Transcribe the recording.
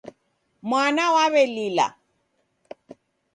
Mwana waw'elila